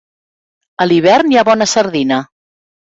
A l'hivern hi ha bona sardina.